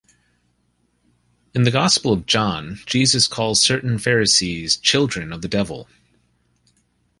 In the Gospel of John, Jesus calls certain Pharisees "children of the devil".